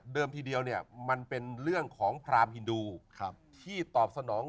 ทีเดียวเนี่ยมันเป็นเรื่องของพรามฮินดูที่ตอบสนอง